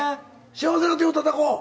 「幸せなら手をたたこう」。